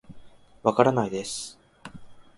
わからないです